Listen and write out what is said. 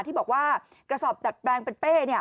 ที่บอกว่ากระสอบดัดแปลงเป็นเป้